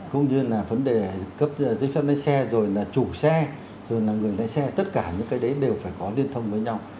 cũng như là vấn đề cấp giấy phép lấy xe rồi là chủ xe rồi là người lái xe tất cả những cái đấy đều phải có liên thông với nhau